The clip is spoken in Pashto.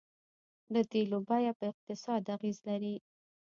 د تیلو بیه په اقتصاد اغیز لري.